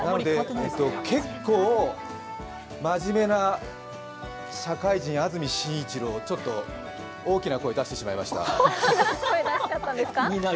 結構、真面目な社会人、安住紳一郎、ちょっと大きな声、出してしまいました。